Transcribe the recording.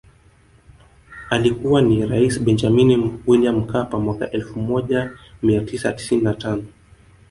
Alikuwa nia rais Benjamini Wiliam Mkapa mwaka elfu moja mia tisa tisini na tano